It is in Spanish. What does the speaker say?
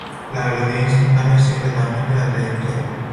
La velocidad instantánea es siempre tangente a la trayectoria.